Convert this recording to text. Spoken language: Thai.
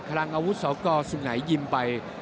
กำลังเอาอาวุธเสาคอสุขใหม่ยิ้มไป